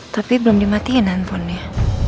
tapi belum dimatikan handphonenya